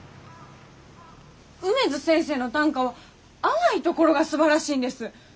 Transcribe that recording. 梅津先生の短歌は淡いところがすばらしいんです。